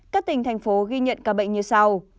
các tỉnh thành phố ghi nhận ca bệnh như sau